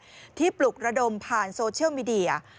เหมือนแหละที่ปลุกระดมผ่านโซเชียลมีเดีย